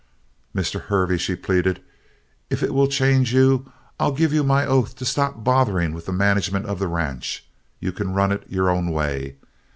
"Mr. Hervey," she pleaded, "if it will change you, I'll give you my oath to stop bothering with the management of the ranch. You can run it your own way.